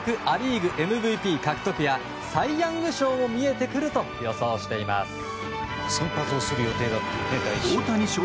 ア・リーグＭＶＰ獲得やサイ・ヤング賞も見えてくると予想しています。